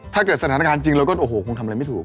ถ้าเกิดสถานการณ์จริงเราก็โอ้โหคงทำอะไรไม่ถูก